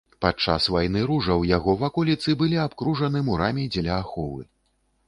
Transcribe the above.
Падчас вайны ружаў яго ваколіцы былі абкружаны мурамі дзеля аховы.